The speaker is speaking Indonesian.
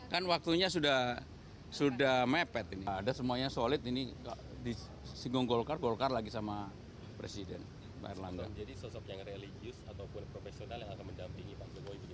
dan itu adalah hal yang harus diketahui